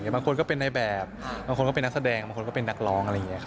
มันคนก็เป็นรายแบบมันคนก็เป็นนักแสดงมันคนก็เป็นนักร้อง